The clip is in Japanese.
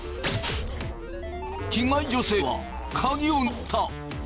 被害女性は鍵を抜き取った。